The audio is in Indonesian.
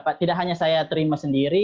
pak tidak hanya saya terima sendiri